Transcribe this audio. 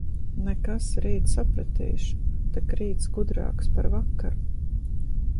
Nekas, rīt sapratīšu, tak rīts gudrāks par vakaru.